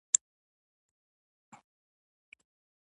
نو ما ویل ای د عدالت ربه.